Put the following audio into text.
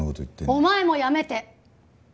「お前」もやめて！